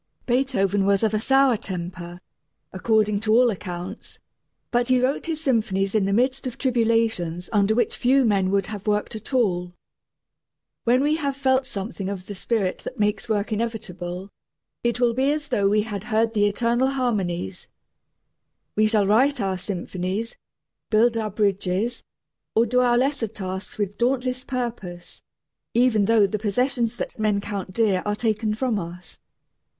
Beethoven was of a sour temper, according to all accounts, but he wrote his symphonies in the midst of tribulations under which few men would have worked at all. When we have felt something of the spirit that makes work inevitable, it will be as though we had heard the eternal harmonies. We shall write our symphonies, build our bridges, or do our lesser tasks with dauntless purpose, even though the possessions that men count dear are taken from us.